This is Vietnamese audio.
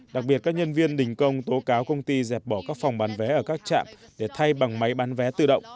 đặc biệt các nhân viên đình công tố cáo công ty dẹp bỏ các phòng bán vé ở các trạm để thay bằng máy bán vé tự động